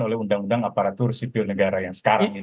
oleh undang undang aparatur sipil negara yang sekarang ini